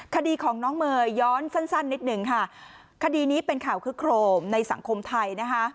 คดีของน้องเมย์ย้อนสั้นสั้นนิดหนึ่งค่ะคดีนี้เป็นข่าวคึกโครมในสังคมไทยนะคะ